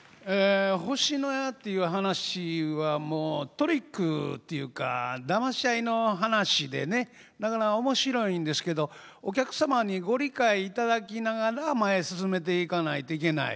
「星野屋」っていう噺はトリックっていうかだまし合いの話でねだから面白いんですけどお客様にご理解いただきながら前へ進めていかないといけない。